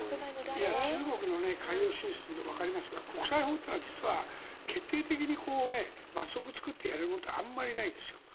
中国の海洋進出を見てわかりますが国際法というのは実は決定的に罰則を作ってやれるものってあまりないですよ。